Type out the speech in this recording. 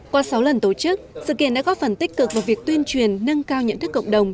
qua sáu lần tổ chức sự kiện đã góp phần tích cực vào việc tuyên truyền nâng cao nhận thức cộng đồng